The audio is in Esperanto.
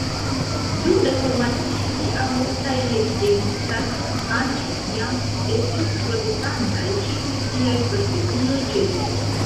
Dum Reformacio, kiam multaj heiligenstadt-anoj jam estis protestantaj, ĉiuj tiaj procesioj ĉesis.